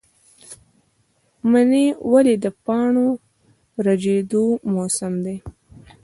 منی ولې د پاڼو ریژیدو موسم دی؟